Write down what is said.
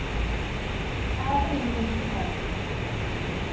তারা তো নিমজ্জিত হবে।